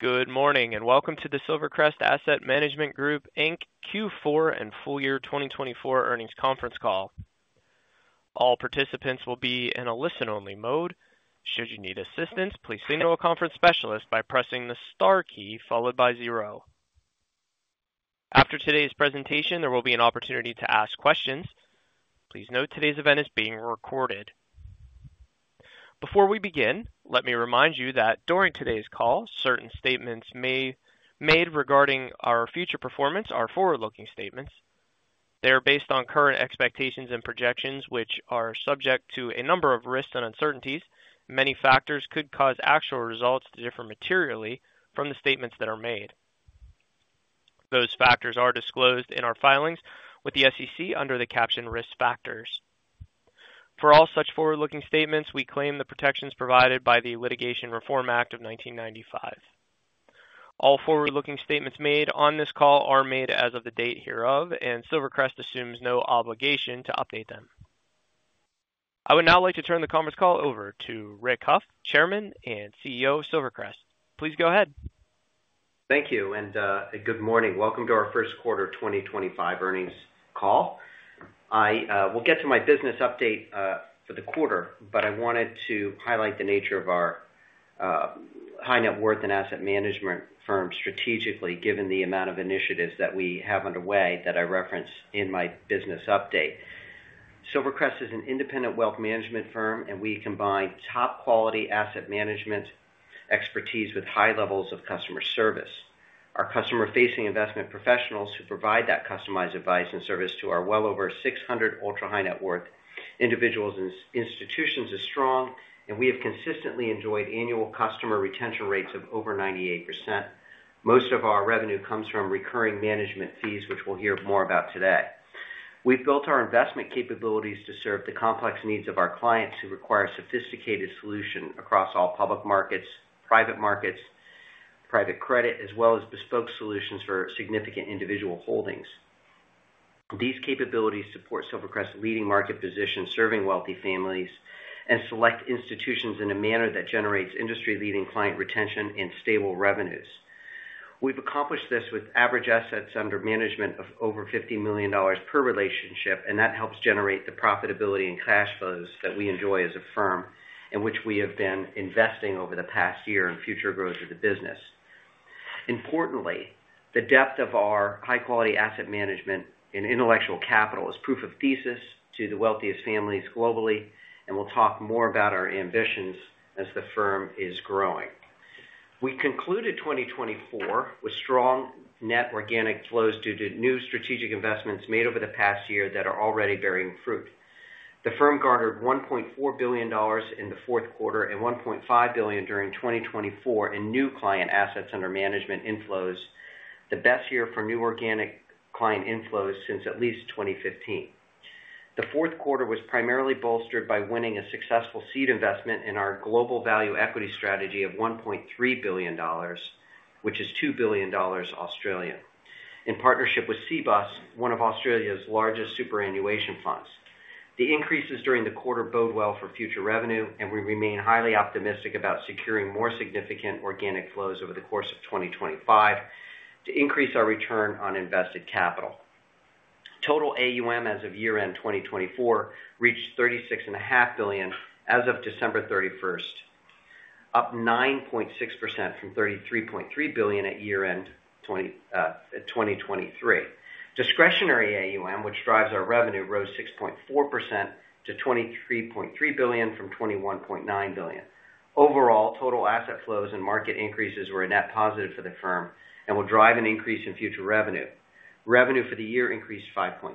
Good morning and welcome to the Silvercrest Asset Management Group, Inc. Q4 and Full Year 2024 Earnings Conference Call. All participants will be in a listen-only mode. Should you need assistance, please signal a conference specialist by pressing the star key followed by zero. After today's presentation, there will be an opportunity to ask questions. Please note today's event is being recorded. Before we begin, let me remind you that during today's call, certain statements may be made regarding our future performance, our forward-looking statements. They are based on current expectations and projections, which are subject to a number of risks and uncertainties. Many factors could cause actual results to differ materially from the statements that are made. Those factors are disclosed in our filings with the SEC under the captioned risk factors. For all such forward-looking statements, we claim the protections provided by the Litigation Reform Act of 1995. All forward-looking statements made on this call are made as of the date hereof, and Silvercrest assumes no obligation to update them. I would now like to turn the conference call over to Rick Hough, Chairman and CEO of Silvercrest. Please go ahead. Thank you and good morning. Welcome to our 1st Quarter 2025 Earnings Call. I will get to my business update for the quarter, but I wanted to highlight the nature of our high net worth and asset management firm strategically, given the amount of initiatives that we have underway that I referenced in my business update. Silvercrest is an independent wealth management firm, and we combine top quality asset management expertise with high levels of customer service. Our customer-facing investment professionals who provide that customized advice and service to our well over 600 ultra-high net worth individuals and institutions are strong, and we have consistently enjoyed annual customer retention rates of over 98%. Most of our revenue comes from recurring management fees, which we'll hear more about today. We've built our investment capabilities to serve the complex needs of our clients who require sophisticated solutions across all public markets, private markets, private credit, as well as bespoke solutions for significant individual holdings. These capabilities support Silvercrest's leading market position, serving wealthy families and select institutions in a manner that generates industry-leading client retention and stable revenues. We've accomplished this with average assets under management of over $50 million per relationship, and that helps generate the profitability and cash flows that we enjoy as a firm and which we have been investing over the past year in future growth of the business. Importantly, the depth of our high-quality asset management and intellectual capital is proof of thesis to the wealthiest families globally, and we'll talk more about our ambitions as the firm is growing. We concluded 2024 with strong net organic flows due to new strategic investments made over the past year that are already bearing fruit. The firm garnered $1.4 billion in the 4th quarter and $1.5 billion during 2024 in new client assets under management inflows, the best year for new organic client inflows since at least 2015. The 4th quarter was primarily bolstered by winning a successful seed investment in our global value equity strategy of $1.3 billion, which is 2 billion Australian dollars in partnership with Cbus, one of Australia's largest superannuation funds. The increases during the quarter bode well for future revenue, and we remain highly optimistic about securing more significant organic flows over the course of 2025 to increase our return on invested capital. Total AUM as of year-end 2024 reached $36.5 billion as of December 31st, up 9.6% from $33.3 billion at year-end 2023. Discretionary AUM, which drives our revenue, rose 6.4% to $23.3 billion from $21.9 billion. Overall, total asset flows and market increases were a net positive for the firm and will drive an increase in future revenue. Revenue for the year increased 5.3%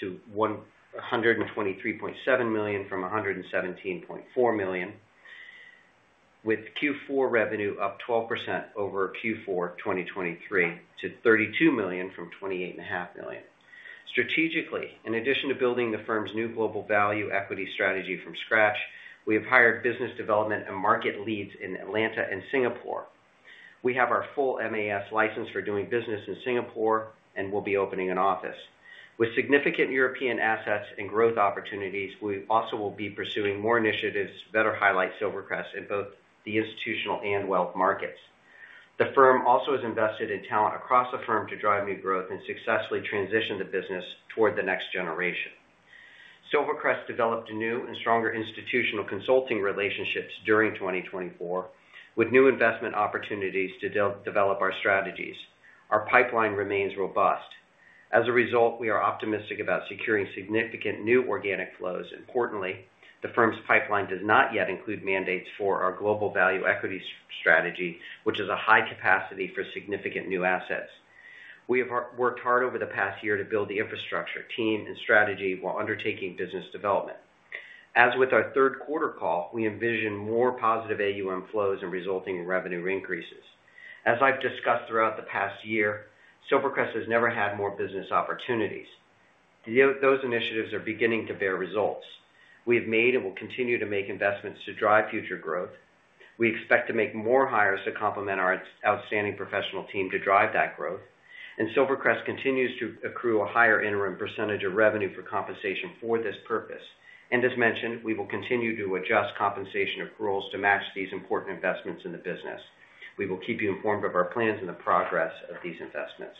to $123.7 million from $117.4 million, with Q4 revenue up 12% over Q4 2023 to $32 million from $28.5 million. Strategically, in addition to building the firm's new global value equity strategy from scratch, we have hired business development and market leads in Atlanta and Singapore. We have our full MAS license for doing business in Singapore and will be opening an office. With significant European assets and growth opportunities, we also will be pursuing more initiatives that better highlight Silvercrest in both the institutional and wealth markets. The firm also has invested in talent across the firm to drive new growth and successfully transition the business toward the next generation. Silvercrest developed new and stronger institutional consulting relationships during 2024, with new investment opportunities to develop our strategies. Our pipeline remains robust. As a result, we are optimistic about securing significant new organic flows. Importantly, the firm's pipeline does not yet include mandates for our global value equity strategy, which is a high capacity for significant new assets. We have worked hard over the past year to build the infrastructure, team, and strategy while undertaking business development. As with our 3rd quarter call, we envision more positive AUM flows and resulting revenue increases. As I've discussed throughout the past year, Silvercrest has never had more business opportunities. Those initiatives are beginning to bear results. We have made and will continue to make investments to drive future growth. We expect to make more hires to complement our outstanding professional team to drive that growth. Silvercrest continues to accrue a higher interim % of revenue for compensation for this purpose. As mentioned, we will continue to adjust compensation accruals to match these important investments in the business. We will keep you informed of our plans and the progress of these investments.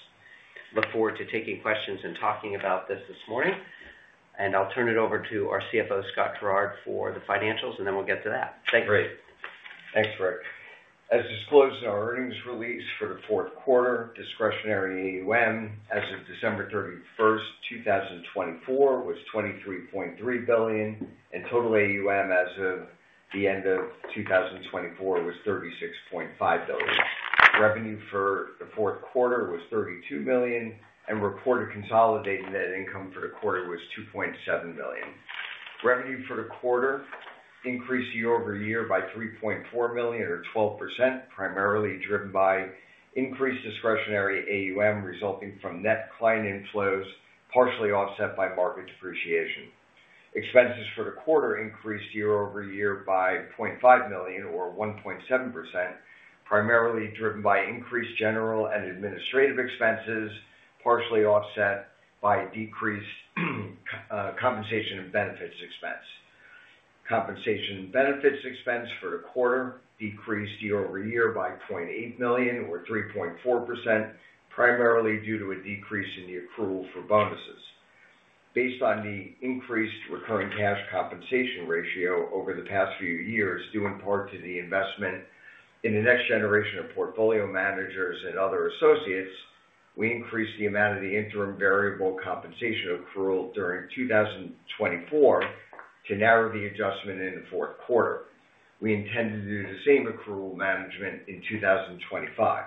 Look forward to taking questions and talking about this this morning, and I'll turn it over to our CFO, Scott Gerard, for the financials, and then we'll get to that. Thank you. Great. Thanks, Rick. As disclosed in our earnings release for the 4th quarter, discretionary AUM as of December 31st, 2024, was $23.3 billion, and total AUM as of the end of 2024 was $36.5 billion. Revenue for the 4th quarter was $32 million, and reported consolidated net income for the quarter was $2.7 million. Revenue for the quarter increased year-over-year by $3.4 million, or 12%, primarily driven by increased discretionary AUM resulting from net client inflows, partially offset by market depreciation. Expenses for the quarter increased year-over-year by $0.5 million, or 1.7%, primarily driven by increased general and administrative expenses, partially offset by decreased compensation and benefits expense. Compensation and benefits expense for the quarter decreased year-over-year by $0.8 million, or 3.4%, primarily due to a decrease in the accrual for bonuses. Based on the increased recurring cash compensation ratio over the past few years, due in part to the investment in the next generation of portfolio managers and other associates, we increased the amount of the interim variable compensation accrual during 2024 to narrow the adjustment in the 4th quarter. We intended to do the same accrual management in 2025.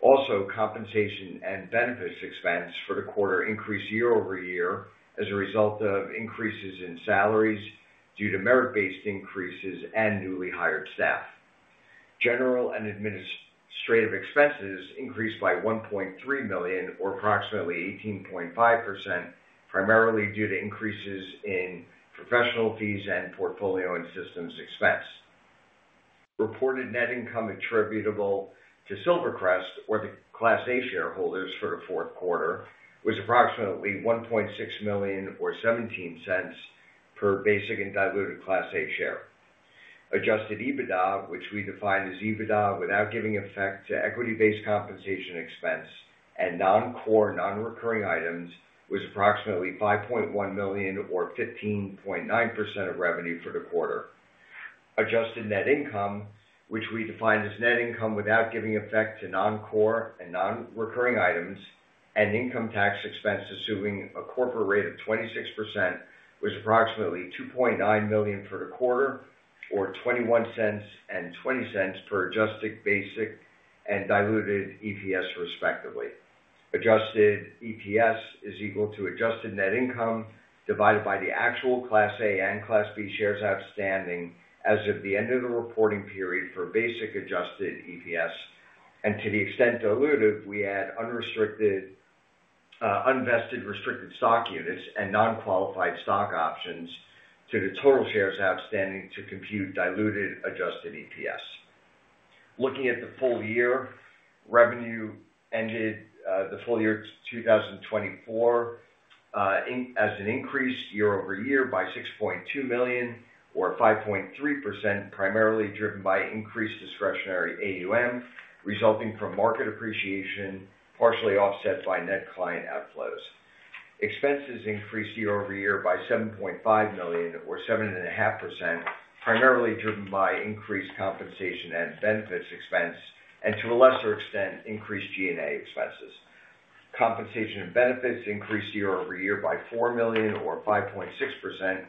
Also, compensation and benefits expense for the quarter increased year-over-year as a result of increases in salaries due to merit-based increases and newly hired staff. General and administrative expenses increased by $1.3 million, or approximately 18.5%, primarily due to increases in professional fees and portfolio and systems expense. Reported net income attributable to Silvercrest or the Class A shareholders for the 4th quarter was approximately $1.6 million, or $0.17 per basic and diluted Class A share. Adjusted EBITDA, which we define as EBITDA without giving effect to equity-based compensation expense and non-core, non-recurring items, was approximately $5.1 million, or 15.9% of revenue for the quarter. Adjusted net income, which we define as net income without giving effect to non-core and non-recurring items and income tax expense assuming a corporate rate of 26%, was approximately $2.9 million for the quarter, or $0.21 and $0.20 per adjusted basic and diluted EPS, respectively. Adjusted EPS is equal to adjusted net income divided by the actual Class A and Class B shares outstanding as of the end of the reporting period for basic adjusted EPS. To the extent diluted, we add uninvested restricted stock units and non-qualified stock options to the total shares outstanding to compute diluted adjusted EPS. Looking at the full year, revenue ended the full year 2024 as an increase year-over-year by $6.2 million, or 5.3%, primarily driven by increased discretionary AUM resulting from market appreciation, partially offset by net client outflows. Expenses increased year-over-year by $7.5 million, or 7.5%, primarily driven by increased compensation and benefits expense, and to a lesser extent, increased G&A expenses. Compensation and benefits increased year-over-year by $4 million, or 5.6%,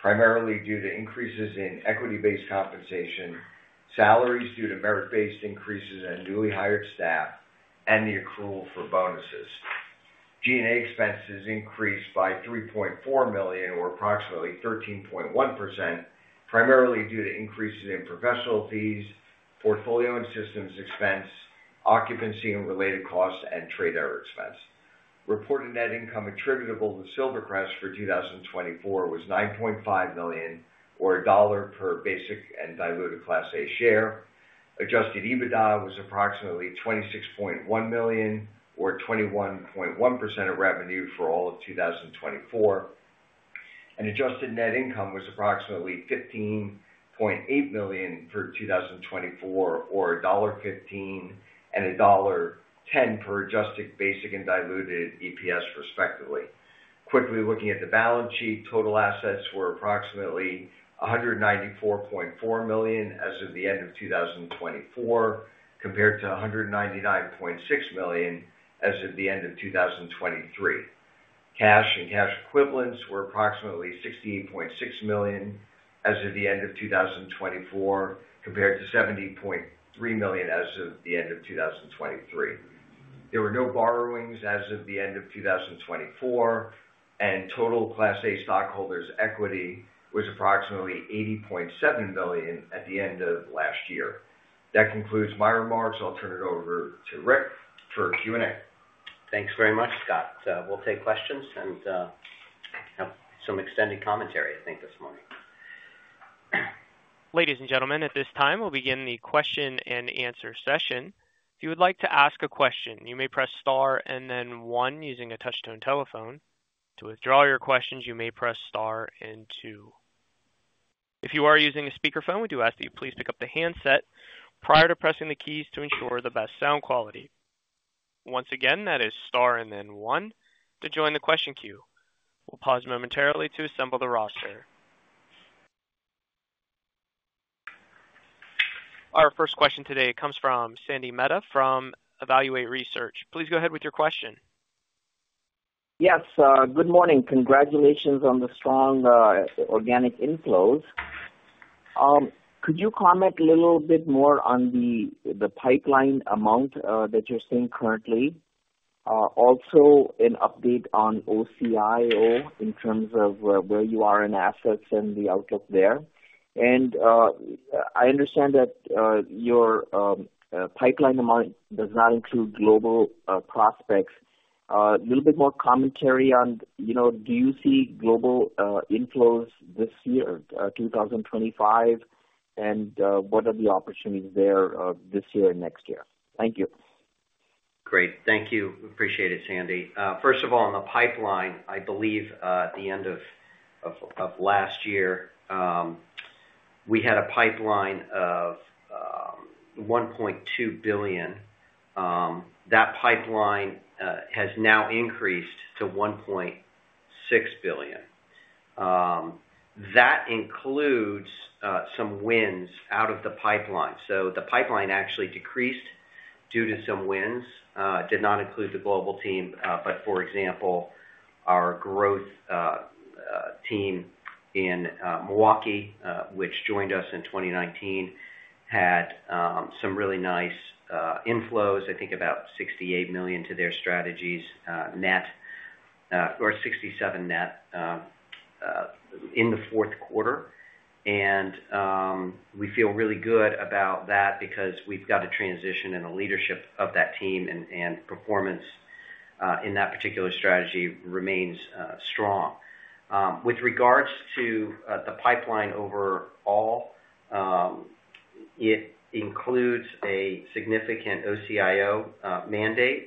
primarily due to increases in equity-based compensation, salaries due to merit-based increases and newly hired staff, and the accrual for bonuses. G&A expenses increased by $3.4 million, or approximately 13.1%, primarily due to increases in professional fees, portfolio and systems expense, occupancy and related costs, and trade error expense. Reported net income attributable to Silvercrest for 2024 was $9.5 million, or $1 per basic and diluted Class A share. Adjusted EBITDA was approximately $26.1 million, or 21.1% of revenue for all of 2024. Adjusted net income was approximately $15.8 million for 2024, or $1.15 and $1.10 per adjusted basic and diluted EPS, respectively. Quickly looking at the balance sheet, total assets were approximately $194.4 million as of the end of 2024, compared to $199.6 million as of the end of 2023. Cash and cash equivalents were approximately $68.6 million as of the end of 2024, compared to $70.3 million as of the end of 2023. There were no borrowings as of the end of 2024, and total Class A stockholders' equity was approximately $80.7 million at the end of last year. That concludes my remarks. I'll turn it over to Rick for Q&A. Thanks very much, Scott. We'll take questions and have some extended commentary, I think, this morning. Ladies and gentlemen, at this time, we'll begin the question and answer session. If you would like to ask a question, you may press star and then one using a touch-tone telephone. To withdraw your questions, you may press star and two. If you are using a speakerphone, we do ask that you please pick up the handset prior to pressing the keys to ensure the best sound quality. Once again, that is star and then one to join the question queue. We'll pause momentarily to assemble the roster. Our first question today comes from Sandy Mehta from Evaluate Research. Please go ahead with your question. Yes. Good morning. Congratulations on the strong organic inflows. Could you comment a little bit more on the pipeline amount that you're seeing currently? Also, an update on OCIO in terms of where you are in assets and the outlook there. I understand that your pipeline amount does not include global prospects. A little bit more commentary on, do you see global inflows this year, 2025, and what are the opportunities there this year and next year? Thank you. Great. Thank you. Appreciate it, Sandy. First of all, on the pipeline, I believe at the end of last year, we had a pipeline of $1.2 billion. That pipeline has now increased to $1.6 billion. That includes some wins out of the pipeline. The pipeline actually decreased due to some wins. Did not include the global team, but for example, our growth team in Milwaukee, which joined us in 2019, had some really nice inflows. I think about $68 million to their strategies, or $67 million net in the 4th quarter. We feel really good about that because we have got a transition and a leadership of that team, and performance in that particular strategy remains strong. With regards to the pipeline overall, it includes a significant OCIO mandate,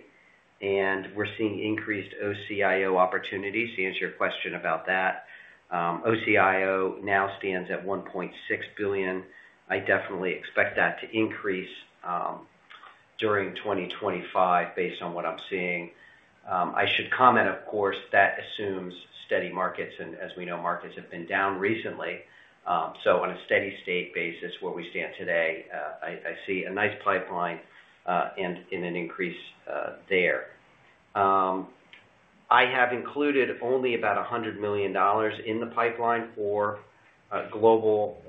and we are seeing increased OCIO opportunities to answer your question about that. OCIO now stands at $1.6 billion. I definitely expect that to increase during 2025 based on what I'm seeing. I should comment, of course, that assumes steady markets, and as we know, markets have been down recently. On a steady-state basis where we stand today, I see a nice pipeline and an increase there. I have included only about $100 million in the pipeline for global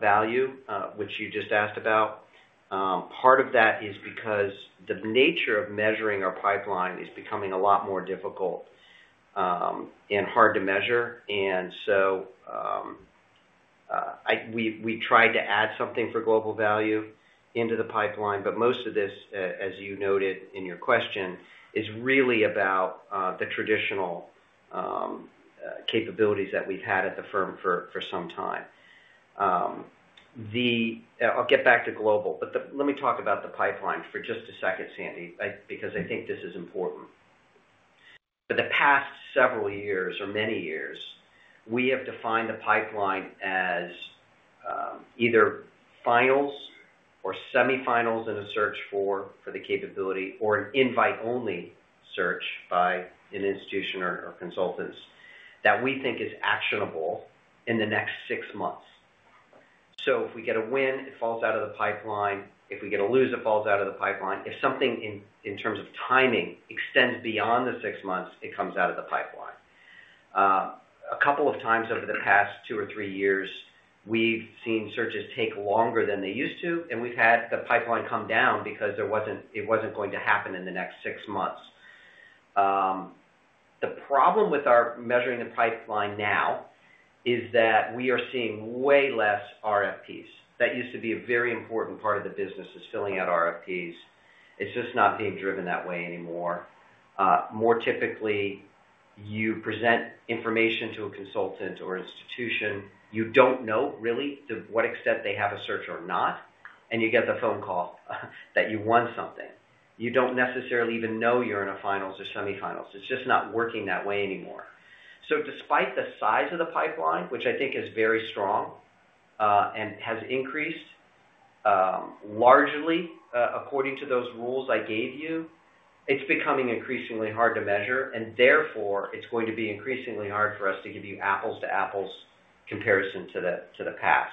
value, which you just asked about. Part of that is because the nature of measuring our pipeline is becoming a lot more difficult and hard to measure. We tried to add something for global value into the pipeline, but most of this, as you noted in your question, is really about the traditional capabilities that we've had at the firm for some time. I'll get back to global, but let me talk about the pipeline for just a second, Sandy, because I think this is important. For the past several years, or many years, we have defined the pipeline as either finals or semifinals in a search for the capability, or an invite-only search by an institution or consultants that we think is actionable in the next six months. If we get a win, it falls out of the pipeline. If we get a lose, it falls out of the pipeline. If something in terms of timing extends beyond the six months, it comes out of the pipeline. A couple of times over the past two or three years, we've seen searches take longer than they used to, and we've had the pipeline come down because it wasn't going to happen in the next six months. The problem with measuring the pipeline now is that we are seeing way less RFPs. That used to be a very important part of the business, is filling out RFPs. It's just not being driven that way anymore. More typically, you present information to a consultant or institution. You don't know, really, to what extent they have a search or not, and you get the phone call that you won something. You don't necessarily even know you're in a finals or semifinals. It's just not working that way anymore. Despite the size of the pipeline, which I think is very strong and has increased largely according to those rules I gave you, it's becoming increasingly hard to measure, and therefore, it's going to be increasingly hard for us to give you apples-to-apples comparison to the past.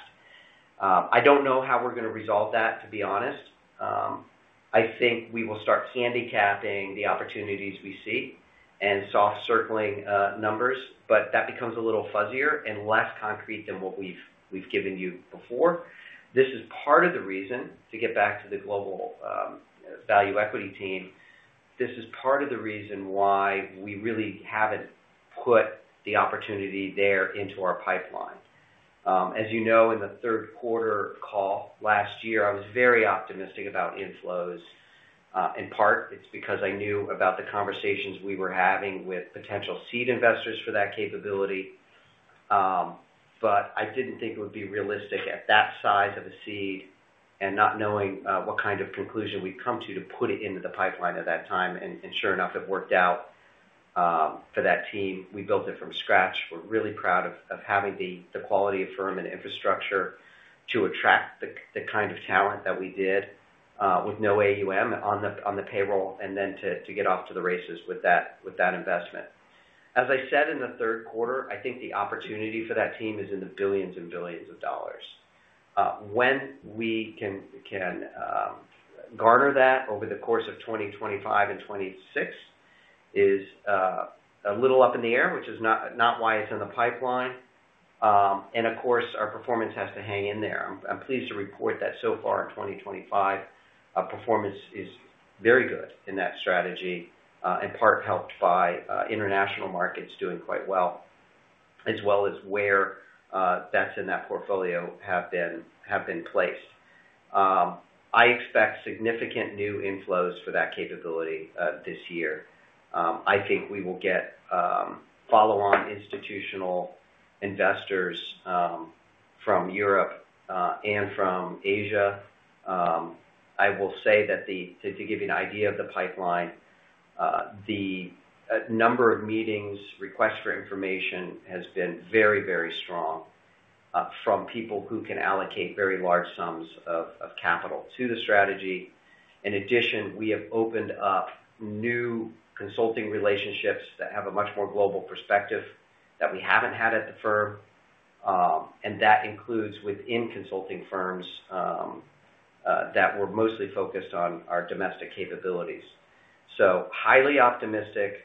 I don't know how we're going to resolve that, to be honest. I think we will start handicapping the opportunities we see and soft-circling numbers, but that becomes a little fuzzier and less concrete than what we've given you before. This is part of the reason, to get back to the global value equity team, this is part of the reason why we really haven't put the opportunity there into our pipeline. As you know, in the 3rd quarter call last year, I was very optimistic about inflows. In part, it's because I knew about the conversations we were having with potential seed investors for that capability, but I didn't think it would be realistic at that size of a seed and not knowing what kind of conclusion we'd come to to put it into the pipeline at that time. Sure enough, it worked out for that team. We built it from scratch. We're really proud of having the quality of firm and infrastructure to attract the kind of talent that we did with no AUM on the payroll and then to get off to the races with that investment. As I said in the 3rd quarter, I think the opportunity for that team is in the billions-and-billions of dollars. When we can garner that over the course of 2025 and 2026 is a little up in the air, which is not why it's in the pipeline. Of course, our performance has to hang in there. I'm pleased to report that so far in 2025, our performance is very good in that strategy, in part helped by international markets doing quite well, as well as where that's in that portfolio have been placed. I expect significant new inflows for that capability this year. I think we will get follow-on institutional investors from Europe and from Asia. I will say that to give you an idea of the pipeline, the number of meetings, requests for information has been very, very strong from people who can allocate very large sums of capital to the strategy. In addition, we have opened up new consulting relationships that have a much more global perspective that we have not had at the firm. That includes within consulting firms that were mostly focused on our domestic capabilities. Highly optimistic.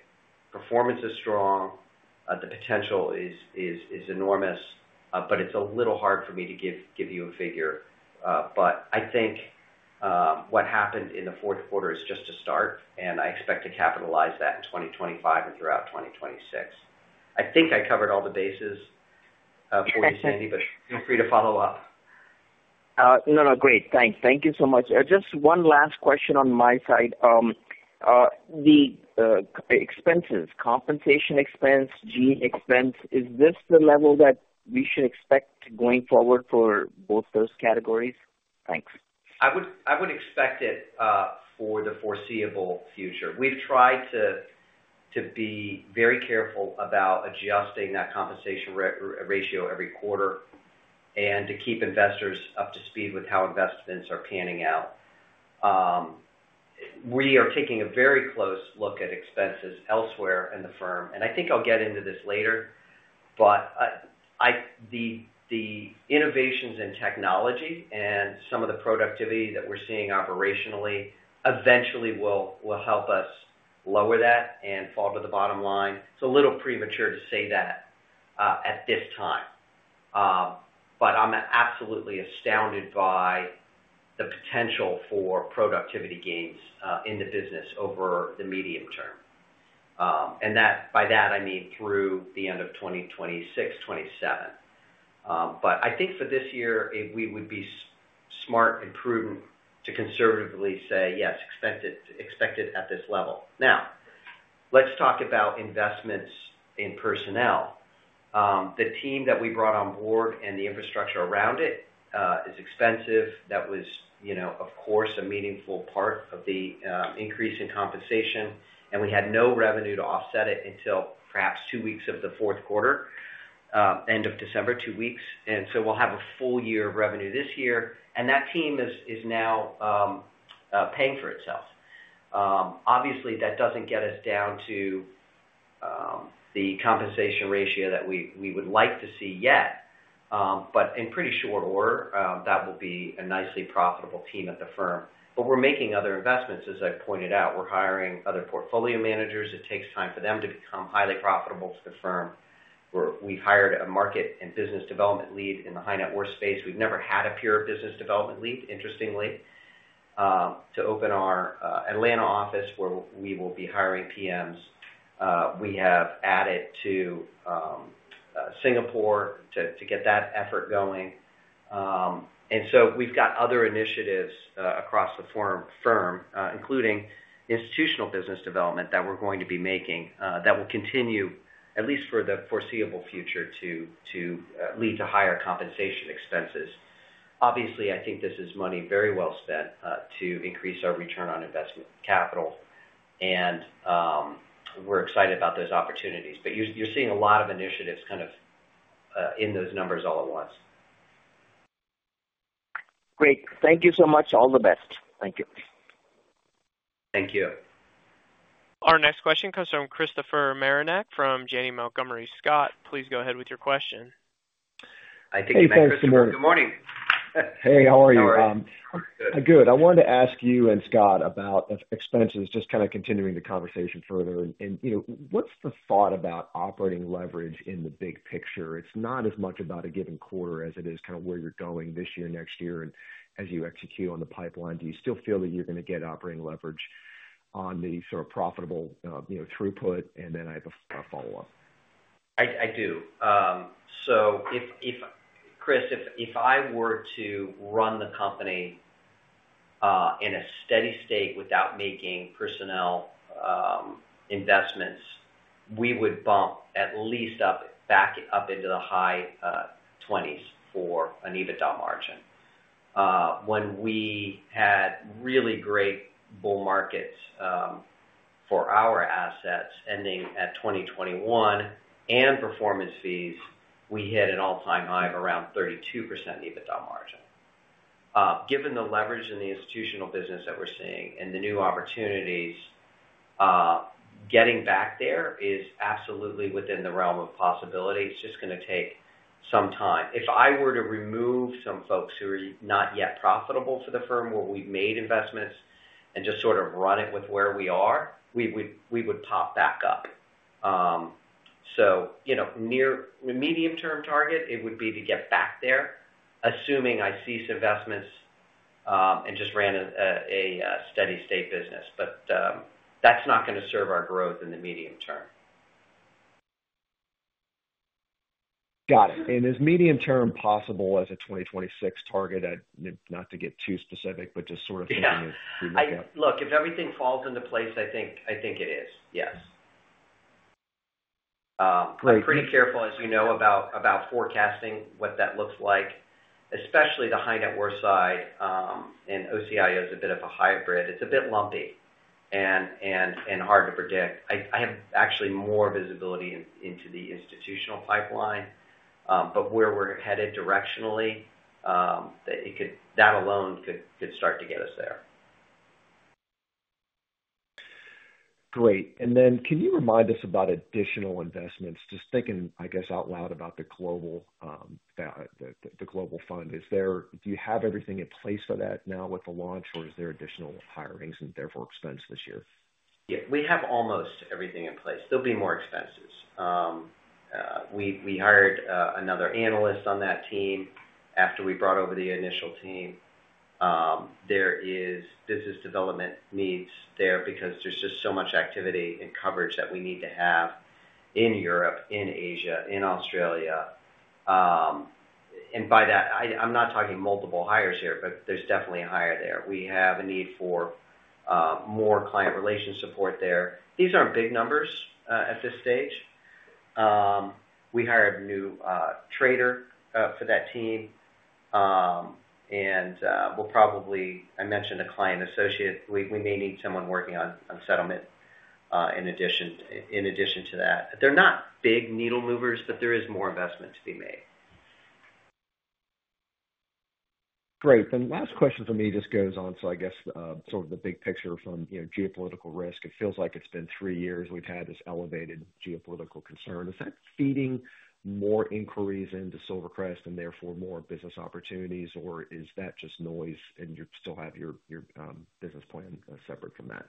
Performance is strong. The potential is enormous, but it is a little hard for me to give you a figure. I think what happened in the 4th quarter is just a start, and I expect to capitalize that in 2025 and throughout 2026. I think I covered all the bases for you, Sandy, but feel free to follow up. No, no. Great. Thanks. Thank you so much. Just one last question on my side. The expenses, compensation expense, G.E. expense, is this the level that we should expect going forward for both those categories? Thanks. I would expect it for the foreseeable future. We've tried to be very careful about adjusting that compensation ratio every quarter and to keep investors up to speed with how investments are panning out. We are taking a very close look at expenses elsewhere in the firm. I think I'll get into this later, but the innovations in technology and some of the productivity that we're seeing operationally eventually will help us lower that and fall to the bottom line. It's a little premature to say that at this time, but I'm absolutely astounded by the potential for productivity gains in the business over the medium term. By that, I mean through the end of 2026, 2027. I think for this year, we would be smart and prudent to conservatively say, "Yes, expect it at this level." Now, let's talk about investments in personnel. The team that we brought on board and the infrastructure around it is expensive. That was, of course, a meaningful part of the increase in compensation, and we had no revenue to offset it until perhaps two weeks of the 4th quarter, end of December, two weeks. We will have a full year of revenue this year, and that team is now paying for itself. Obviously, that does not get us down to the compensation ratio that we would like to see yet, but in pretty short order, that will be a nicely profitable team at the firm. We are making other investments, as I pointed out. We are hiring other portfolio managers. It takes time for them to become highly profitable to the firm. We hired a market and business development lead in the high-net-worth space. We have never had a peer business development lead, interestingly. To open our Atlanta office where we will be hiring PMs, we have added to Singapore to get that effort going. We have other initiatives across the firm, including institutional business development that we are going to be making that will continue, at least for the foreseeable future, to lead to higher compensation expenses. Obviously, I think this is money very well spent to increase our return on investment capital, and we are excited about those opportunities. You are seeing a lot of initiatives kind of in those numbers all at once. Great. Thank you so much. All the best. Thank you. Thank you. Our next question comes from Christopher Marinac from Janney Montgomery Scott. Please go ahead with your question. Good morning. Hey, how are you? I'm good. I wanted to ask you and Scott about expenses, just kind of continuing the conversation further. What's the thought about operating leverage in the big picture? It's not as much about a given quarter as it is kind of where you're going this year, next year, and as you execute on the pipeline. Do you still feel that you're going to get operating leverage on the sort of profitable throughput? I have a follow-up. I do. Chris, if I were to run the company in a steady state without making personnel investments, we would bump at least back up into the high 20s for an EBITDA margin. When we had really great bull markets for our assets ending at 2021 and performance fees, we hit an all-time high of around 32% EBITDA margin. Given the leverage in the institutional business that we're seeing and the new opportunities, getting back there is absolutely within the realm of possibility. It's just going to take some time. If I were to remove some folks who are not yet profitable for the firm where we've made investments and just sort of run it with where we are, we would pop back up. Medium-term target, it would be to get back there, assuming I cease investments and just ran a steady-state business. That is not going to serve our growth in the medium term. Got it. Is medium-term possible as a 2026 target? Not to get too specific, but just sort of thinking as we look at. Look, if everything falls into place, I think it is. Yes. I'm pretty careful, as you know, about forecasting what that looks like, especially the high-net-worth side. OCIO is a bit of a hybrid. It's a bit lumpy and hard to predict. I have actually more visibility into the institutional pipeline, but where we're headed directionally, that alone could start to get us there. Great. Can you remind us about additional investments? Just thinking, I guess, out loud about the global fund. Do you have everything in place for that now with the launch, or is there additional hirings and therefore expense this year? Yeah. We have almost everything in place. There will be more expenses. We hired another analyst on that team after we brought over the initial team. There is business development needs there because there is just so much activity and coverage that we need to have in Europe, in Asia, in Australia. By that, I am not talking multiple hires here, but there is definitely a hire there. We have a need for more client relation support there. These are not big numbers at this stage. We hired a new trader for that team. I mentioned a client associate. We may need someone working on settlement in addition to that. They are not big needle movers, but there is more investment to be made. Great. Last question for me just goes on. I guess sort of the big picture from geopolitical risk. It feels like it's been three years we've had this elevated geopolitical concern. Is that feeding more inquiries into Silvercrest and therefore more business opportunities, or is that just noise and you still have your business plan separate from that?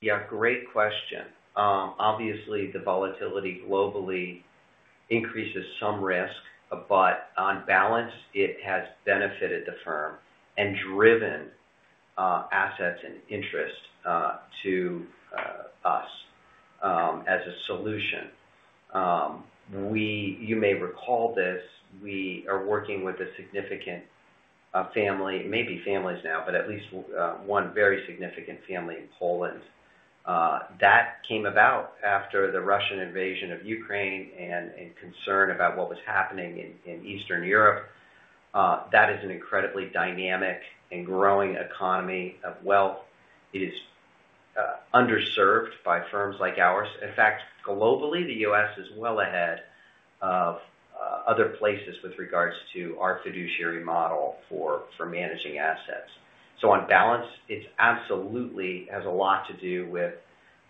Yeah. Great question. Obviously, the volatility globally increases some risk, but on balance, it has benefited the firm and driven assets and interest to us as a solution. You may recall this. We are working with a significant family—maybe families now, but at least one very significant family in Poland. That came about after the Russian invasion of Ukraine and concern about what was happening in Eastern Europe. That is an incredibly dynamic and growing economy of wealth. It is underserved by firms like ours. In fact, globally, the U.S. is well ahead of other places with regards to our fiduciary model for managing assets. On balance, it absolutely has a lot to do with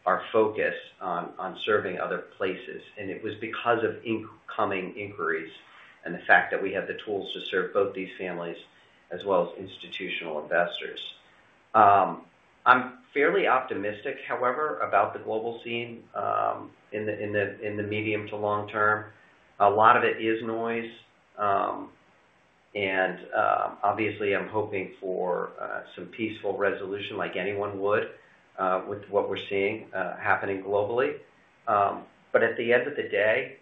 our focus on serving other places. It was because of incoming inquiries and the fact that we have the tools to serve both these families as well as institutional investors. I'm fairly optimistic, however, about the global scene in the medium to long term. A lot of it is noise. Obviously, I'm hoping for some peaceful resolution like anyone would with what we're seeing happening globally. At the end of the day,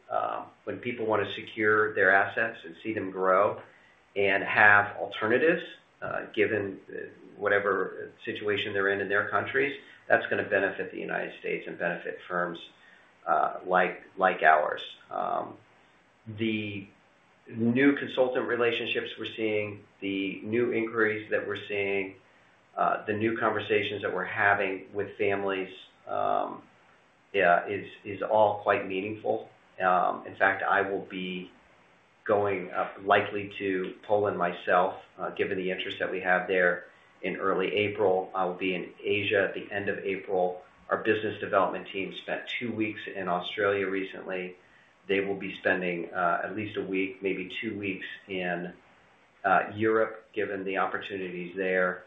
when people want to secure their assets and see them grow and have alternatives given whatever situation they're in in their countries, that's going to benefit the United States and benefit firms like ours. The new consultant relationships we're seeing, the new inquiries that we're seeing, the new conversations that we're having with families is all quite meaningful. In fact, I will be going likely to Poland myself, given the interest that we have there in early April. I will be in Asia at the end of April. Our business development team spent two weeks in Australia recently. They will be spending at least a week, maybe two weeks in Europe given the opportunities there.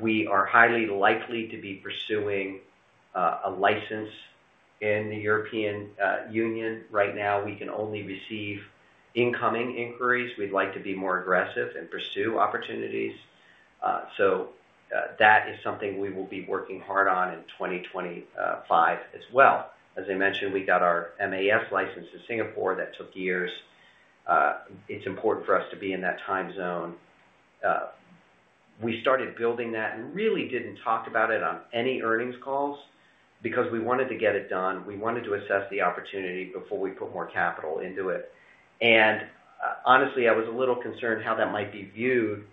We are highly likely to be pursuing a license in the European Union. Right now, we can only receive incoming inquiries. We'd like to be more aggressive and pursue opportunities. That is something we will be working hard on in 2025 as well. As I mentioned, we got our MAS license in Singapore. That took years. It's important for us to be in that time zone. We started building that and really didn't talk about it on any earnings calls because we wanted to get it done. We wanted to assess the opportunity before we put more capital into it. Honestly, I was a little concerned how that might be viewed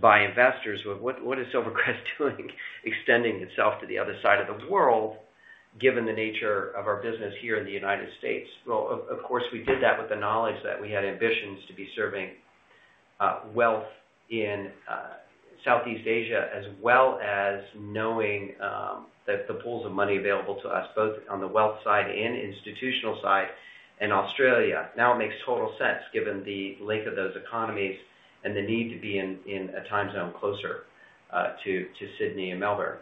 by investors. What is Silvercrest doing extending itself to the other side of the world given the nature of our business here in the United States? Of course, we did that with the knowledge that we had ambitions to be serving wealth in Southeast Asia as well as knowing that the pools of money available to us both on the wealth side and institutional side in Australia. Now it makes total sense given the length of those economies and the need to be in a time zone closer to Sydney and Melbourne,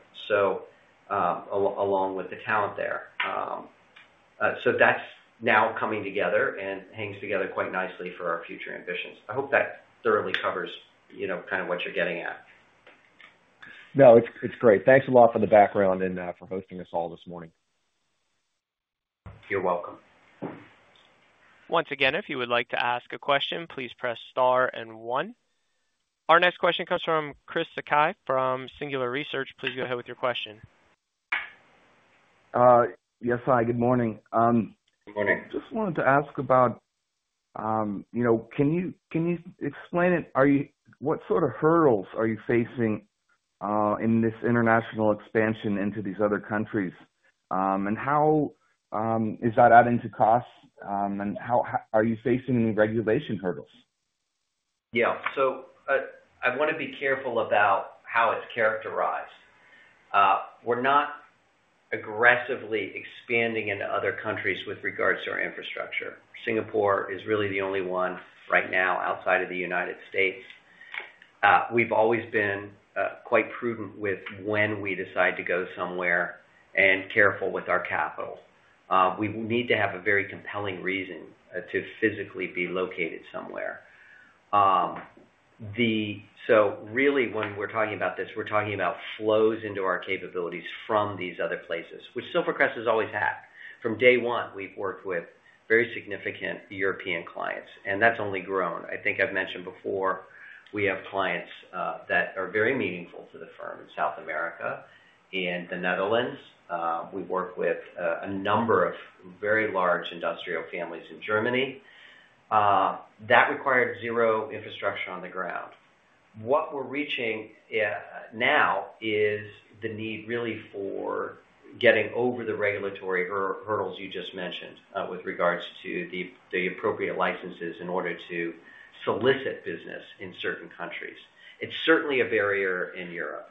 along with the talent there. That is now coming together and hangs together quite nicely for our future ambitions. I hope that thoroughly covers kind of what you're getting at. No, it's great. Thanks a lot for the background and for hosting us all this morning. You're welcome. Once again, if you would like to ask a question, please press star and one. Our next question comes from Chris Sakai from Singular Research. Please go ahead with your question. Yes, hi. Good morning. Good morning. Just wanted to ask about, can you explain it? What sort of hurdles are you facing in this international expansion into these other countries? How is that adding to costs? Are you facing any regulation hurdles? Yeah. I want to be careful about how it's characterized. We're not aggressively expanding into other countries with regards to our infrastructure. Singapore is really the only one right now outside of the United States. We've always been quite prudent with when we decide to go somewhere and careful with our capital. We need to have a very compelling reason to physically be located somewhere. Really, when we're talking about this, we're talking about flows into our capabilities from these other places, which Silvercrest has always had. From day one, we've worked with very significant European clients, and that's only grown. I think I've mentioned before we have clients that are very meaningful to the firm in South America and the Netherlands. We work with a number of very large industrial families in Germany. That required zero infrastructure on the ground. What we're reaching now is the need really for getting over the regulatory hurdles you just mentioned with regards to the appropriate licenses in order to solicit business in certain countries. It is certainly a barrier in Europe.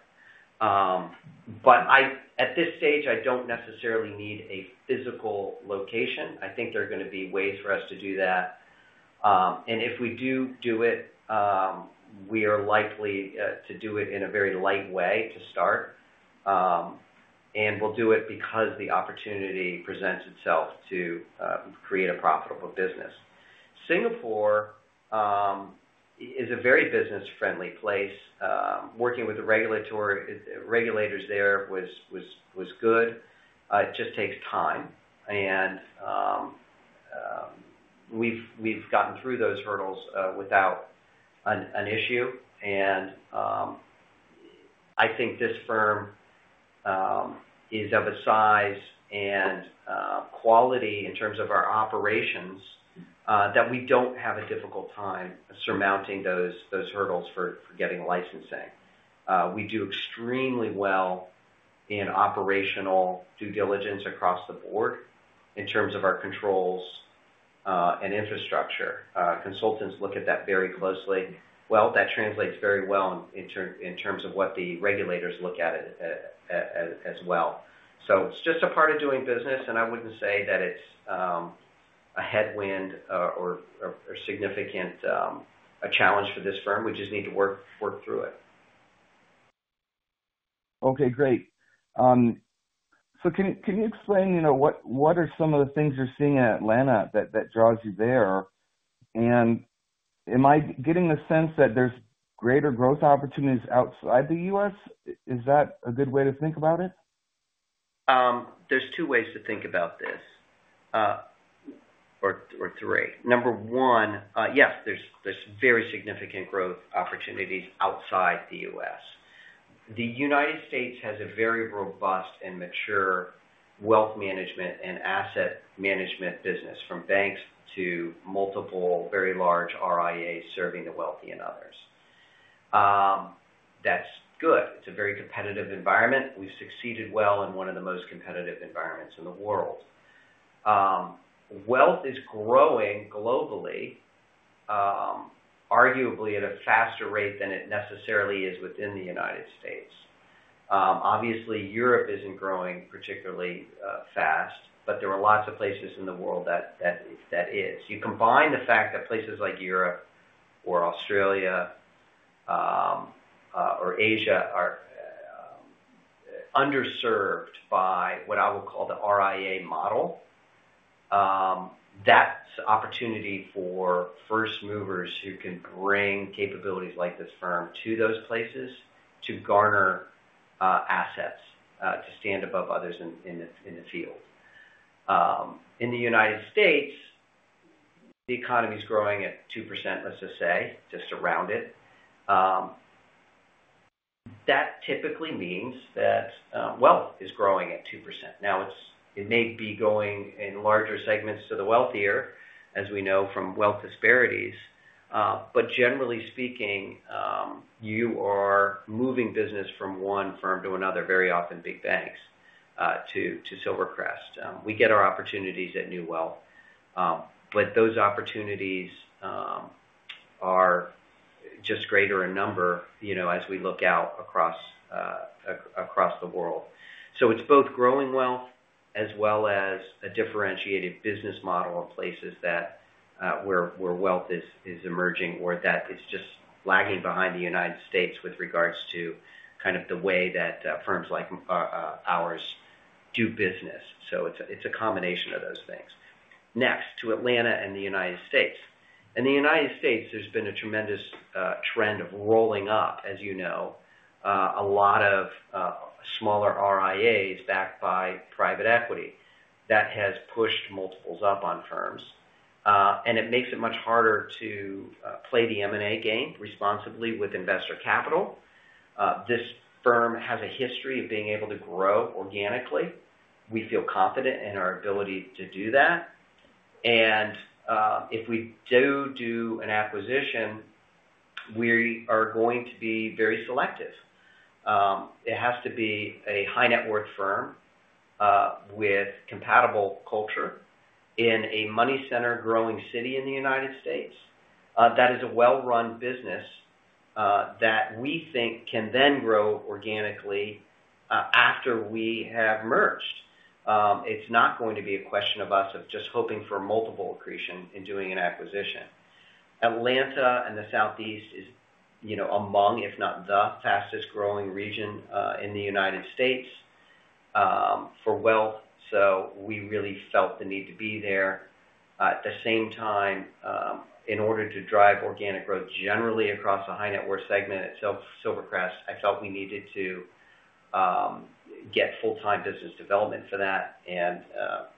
At this stage, I do not necessarily need a physical location. I think there are going to be ways for us to do that. If we do do it, we are likely to do it in a very light way to start. We will do it because the opportunity presents itself to create a profitable business. Singapore is a very business-friendly place. Working with the regulators there was good. It just takes time. We have gotten through those hurdles without an issue. I think this firm is of a size and quality in terms of our operations that we do not have a difficult time surmounting those hurdles for getting licensing. We do extremely well in operational due diligence across the board in terms of our controls and infrastructure. Consultants look at that very closely. That translates very well in terms of what the regulators look at as well. It is just a part of doing business, and I would not say that it is a headwind or significant a challenge for this firm. We just need to work through it. Great. Can you explain what are some of the things you're seeing in Atlanta that draws you there? Am I getting the sense that there's greater growth opportunities outside the U.S.? Is that a good way to think about it? Theres two ways to think about this, or three. Number one, yes, there are very significant growth opportunities outside the U.S. The United States has a very robust and mature wealth management and asset management business from banks to multiple very large RIAs serving the wealthy and others. That is good. It is a very competitive environment. We have succeeded well in one of the most competitive environments in the world. Wealth is growing globally, arguably at a faster rate than it necessarily is within the United States. Obviously, Europe is not growing particularly fast, but there are lots of places in the world that are. You combine the fact that places like Europe or Australia or Asia are underserved by what I will call the RIA model, that is opportunity for first movers who can bring capabilities like this firm to those places to garner assets to stand above others in the field. In the United States, the economy is growing at 2%, let's just say, just around it. That typically means that wealth is growing at 2%. Now, it may be going in larger segments to the wealthier, as we know from wealth disparities. Generally speaking, you are moving business from one firm to another, very often big banks, to Silvercrest. We get our opportunities at new wealth, but those opportunities are just greater in number as we look out across the world. It is both growing wealth as well as a differentiated business model in places where wealth is emerging or that it is just lagging behind the United States with regards to kind of the way that firms like ours do business. It is a combination of those things. Next, to Atlanta and the United States. In the United States, there's been a tremendous trend of rolling up, as you know, a lot of smaller RIAs backed by private equity that has pushed multiples up on firms. It makes it much harder to play the M&A game responsibly with investor capital. This firm has a history of being able to grow organically. We feel confident in our ability to do that. If we do do an acquisition, we are going to be very selective. It has to be a high-net-worth firm with compatible culture in a money-centered growing city in the United States that is a well-run business that we think can then grow organically after we have merged. It's not going to be a question of us just hoping for multiple accretion in doing an acquisition. Atlanta and the Southeast is among, if not the fastest growing region in the United States for wealth. We really felt the need to be there. At the same time, in order to drive organic growth generally across a high-net-worth segment at Silvercrest, I felt we needed to get full-time business development for that and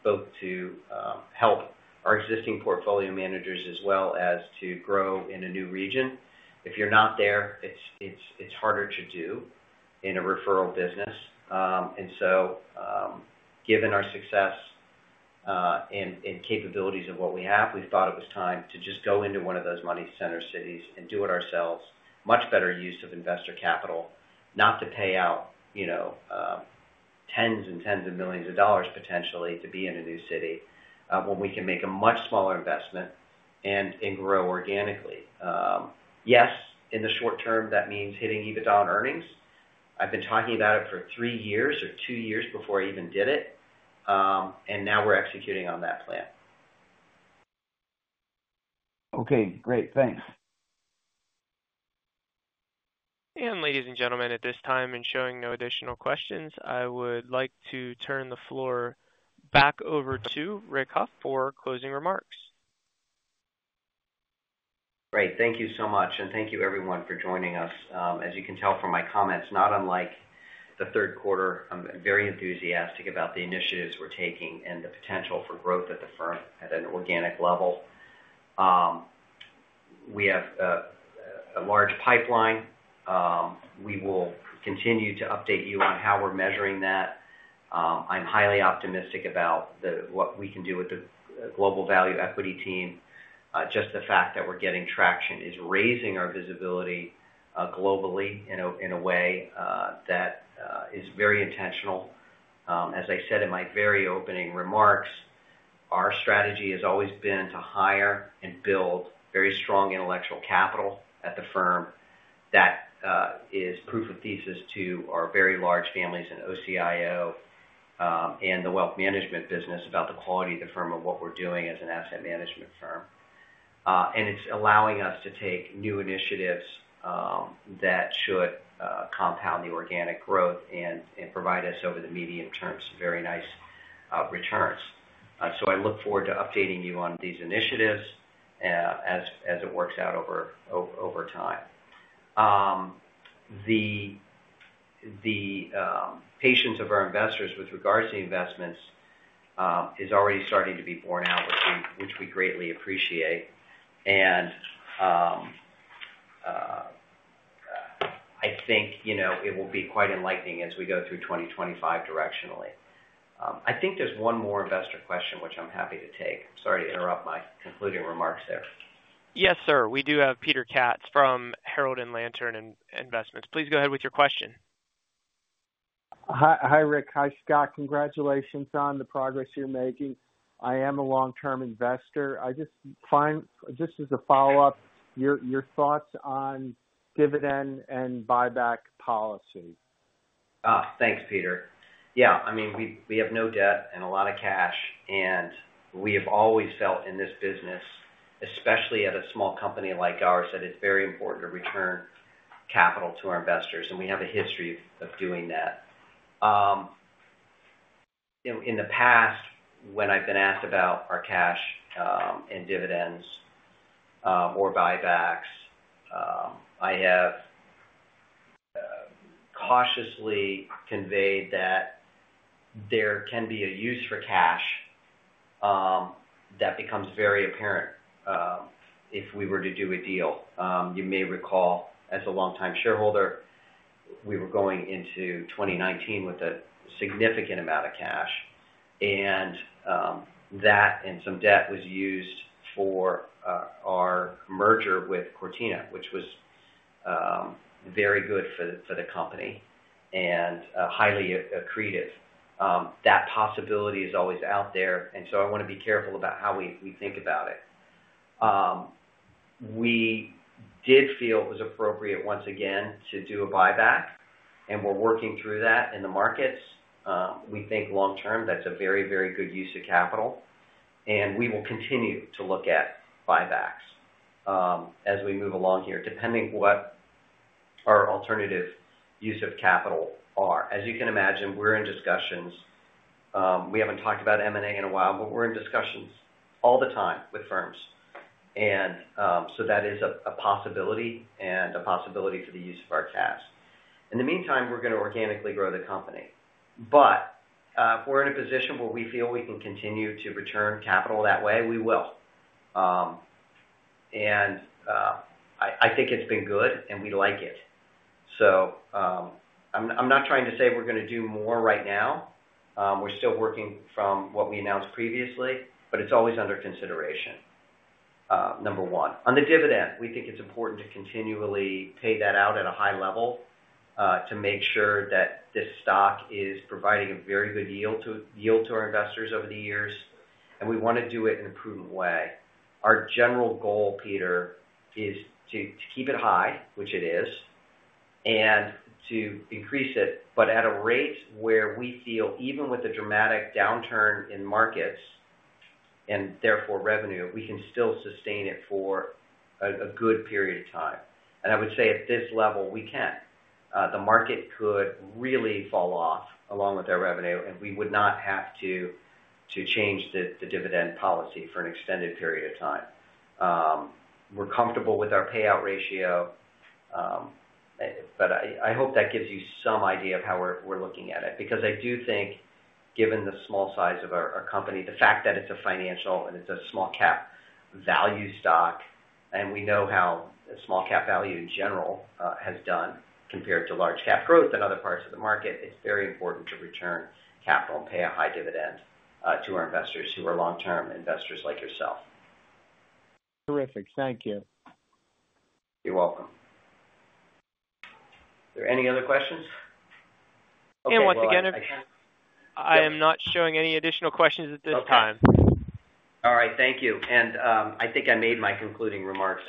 both to help our existing portfolio managers as well as to grow in a new region. If you're not there, it's harder to do in a referral business. Given our success and capabilities of what we have, we thought it was time to just go into one of those money-centered cities and do it ourselves. Much better use of investor capital, not to pay out tens and tens of millions of dollars potentially to be in a new city when we can make a much smaller investment and grow organically. Yes, in the short term, that means hitting EBITDA on earnings. I've been talking about it for three years or two years before I even did it. Now we're executing on that plan. Okay. Great. Thanks. Ladies and gentlemen, at this time, and showing no additional questions, I would like to turn the floor back over to Rick Hough for closing remarks. Great. Thank you so much. Thank you, everyone, for joining us. As you can tell from my comments, not unlike the 3rd quarter, I'm very enthusiastic about the initiatives we're taking and the potential for growth at the firm at an organic level. We have a large pipeline. We will continue to update you on how we're measuring that. I'm highly optimistic about what we can do with the global value equity team. Just the fact that we're getting traction is raising our visibility globally in a way that is very intentional. As I said in my very opening remarks, our strategy has always been to hire and build very strong intellectual capital at the firm that is proof of thesis to our very large families in OCIO and the wealth management business about the quality of the firm and what we're doing as an asset management firm. It is allowing us to take new initiatives that should compound the organic growth and provide us over the medium term some very nice returns. I look forward to updating you on these initiatives as it works out over time. The patience of our investors with regards to investments is already starting to be borne out, which we greatly appreciate. I think it will be quite enlightening as we go through 2025 directionally. I think there is one more investor question, which I am happy to take. Sorry to interrupt my concluding remarks there. Yes, sir. We do have Peter Katz from Herold & Lantern Investments. Please go ahead with your question. Hi, Rick. Hi, Scott. Congratulations on the progress you're making. I am a long-term investor. I just find, just as a follow-up, your thoughts on dividend and buyback policy. Thanks, Peter. Yeah. I mean, we have no debt and a lot of cash. We have always felt in this business, especially at a small company like ours, that it's very important to return capital to our investors. We have a history of doing that. In the past, when I've been asked about our cash and dividends or buybacks, I have cautiously conveyed that there can be a use for cash that becomes very apparent if we were to do a deal. You may recall, as a long-time shareholder, we were going into 2019 with a significant amount of cash. That and some debt was used for our merger with Cortina, which was very good for the company and highly accretive. That possibility is always out there. I want to be careful about how we think about it. We did feel it was appropriate once again to do a buyback. We are working through that in the markets. We think long-term that is a very, very good use of capital. We will continue to look at buybacks as we move along here, depending on what our alternative use of capital is. As you can imagine, we are in discussions. We have not talked about M&A in a while, but we are in discussions all the time with firms. That is a possibility and a possibility for the use of our cash. In the meantime, we are going to organically grow the company. If we are in a position where we feel we can continue to return capital that way, we will. I think it has been good, and we like it. I am not trying to say we are going to do more right now. We're still working from what we announced previously, but it's always under consideration, number one. On the dividend, we think it's important to continually pay that out at a high level to make sure that this stock is providing a very good yield to our investors over the years. We want to do it in a prudent way. Our general goal, Peter, is to keep it high, which it is, and to increase it, but at a rate where we feel even with a dramatic downturn in markets and therefore revenue, we can still sustain it for a good period of time. I would say at this level, we can. The market could really fall off along with our revenue, and we would not have to change the dividend policy for an extended period of time. We're comfortable with our payout ratio, but I hope that gives you some idea of how we're looking at it. Because I do think, given the small size of our company, the fact that it's a financial and it's a small-cap value stock, and we know how small-cap value in general has done compared to large-cap growth in other parts of the market, it's very important to return capital and pay a high dividend to our investors who are long-term investors like yourself. Terrific. Thank you. You're welcome. Are there any other questions? I am not showing any additional questions at this time. All right. Thank you. I think I made my concluding remarks.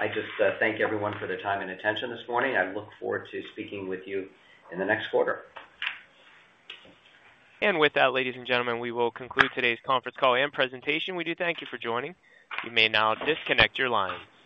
I just thank everyone for their time and attention this morning. I look forward to speaking with you in the next quarter. With that, ladies and gentlemen, we will conclude today's conference call and presentation. We do thank you for joining. You may now disconnect your lines.